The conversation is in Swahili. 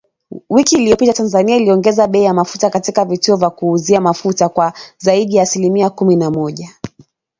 Wiki iliyopita Tanzania iliongeza bei ya mafuta katika vituo vya kuuzia mafuta kwa zaidi ya asilimia kumi na moja